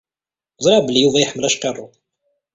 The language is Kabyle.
Ẓriɣ belli Yuba iḥemmel acqirrew.